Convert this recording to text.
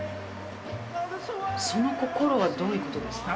その心はどういうことですか？